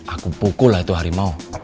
aku pukul lah itu harimau